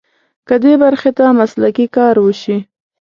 که دې برخې ته مسلکي کار وشي.